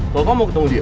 kalo kamu mau ketemu dia